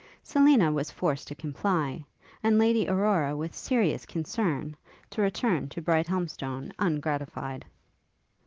Selina was forced to comply, and Lady Aurora with serious concern, to return to Brighthelmstone ungratified.